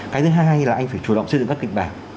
cái thứ hai là anh phải chủ động xây dựng các kịch bản